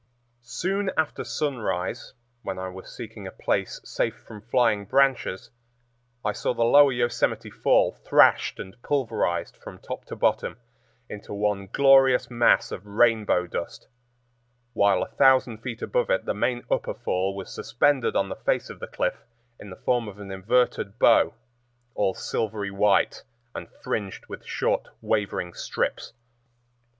Soon after sunrise, when I was seeking a place safe from flying branches, I saw the Lower Yosemite Fall thrashed and pulverized from top to bottom into one glorious mass of rainbow dust; while a thousand feet above it the main Upper Fall was suspended on the face of the cliff in the form of an inverted bow, all silvery white and fringed with short wavering strips.